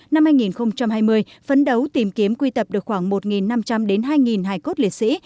năm hai nghìn hai mươi phấn đấu tìm kiếm quy tập được khoảng một năm trăm linh đến hai hài cốt liệt sĩ